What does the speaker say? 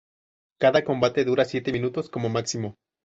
Cada combate dura siete minutos como máximo.